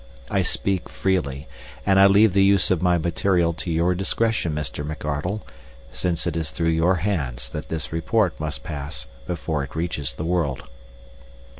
I speak freely, and I leave the use of my material to your own discretion, Mr. McArdle, since it is through your hands that this report must pass before it reaches the world.